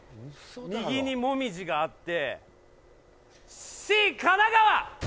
右にモミジがあってＣ神奈川！